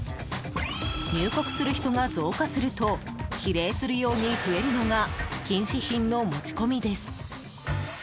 入国する人が増加すると比例するように増えるのが禁止品の持ち込みです。